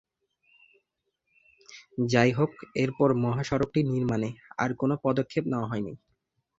যাহোক এরপর মহাসড়কটি নির্মাণে আর কোন পদক্ষেপ নেওয়া হয়নি।